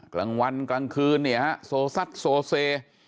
กลางวันกลางคืนเนี่ยฮะโซซัดโซเซ